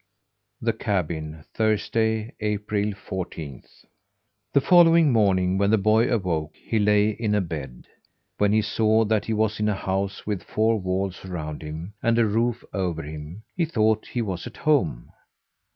THE CABIN Thursday, April fourteenth. The following morning when the boy awoke, he lay in a bed. When he saw that he was in a house with four walls around him, and a roof over him, he thought that he was at home.